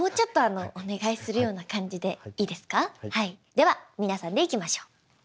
では皆さんでいきましょう。